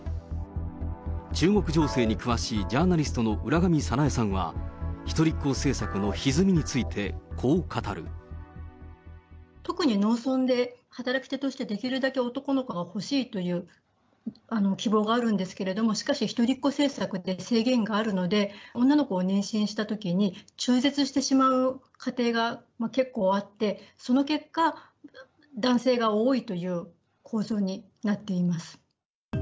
中国情勢に詳しいジャーナリストの浦上早苗さんは、一人っ子政策特に農村で、働き手としてできるだけ男の子が欲しいという希望があるんですけれども、しかし一人っ子政策で制限があるので、女の子を妊娠したときに、中絶してしまう家庭が結構あって、その結果、男性が多いという構造になっています。